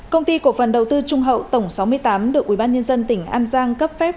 công ty cổ phần đầu tư trung hậu tổng sáu mươi tám được ubnd tỉnh an giang cấp phép